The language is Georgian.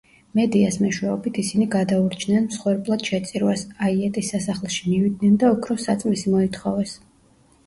მედეას მეშვეობით ისინი გადაურჩნენ მსხვერპლად შეწირვას, აიეტის სასახლეში მივიდნენ და ოქროს საწმისი მოითხოვეს.